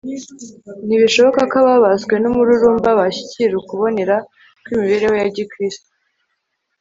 ntibishoboka ko ababaswe n'umururumba bashyikira ukubonera kw'imibereho ya gikristo